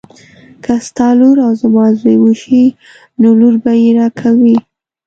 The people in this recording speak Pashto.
که ستا لور او زما زوی وشي نو لور به یې راکوي.